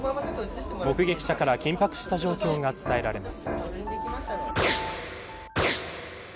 目撃者から緊迫した状況が伝えられます。